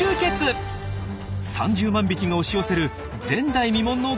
３０万匹が押し寄せる前代未聞の怪現象です。